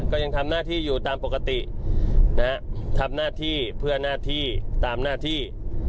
ก็ยังทำหน้าที่อยู่ตามปกตินะฮะทำหน้าที่เพื่อหน้าที่ตามหน้าที่